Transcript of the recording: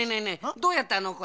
どうやったのこれ。